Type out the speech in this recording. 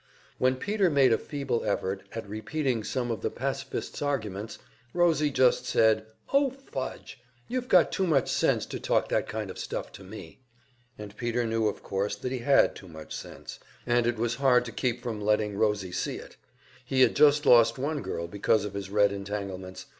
When Peter made a feeble effort at repeating some of the pacifists' arguments, Rosie just said, "Oh, fudge! You've got too much sense to talk that kind of stuff to me." And Peter knew, of course, that he had too much sense, and it was hard to keep from letting Rosie see it. He had just lost one girl because of his Red entanglements.